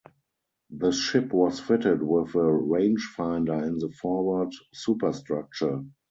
The ship was fitted with a rangefinder in the forward superstructure.